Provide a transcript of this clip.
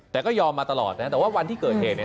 แต่ก็ยอมมาตลอดนะแต่ว่าวันที่เกิดเหตุเนี่ย